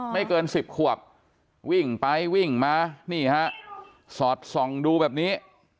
ไม่เกิน๑๐ขวบวิ่งไปวิ่งมานี่ฮะสอดส่องดูแบบนี้